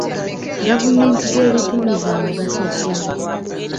Gavumenti z'ebitundu za mugaso ki?